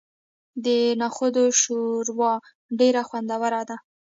د نخودو شوروا ډیره خوندوره ده.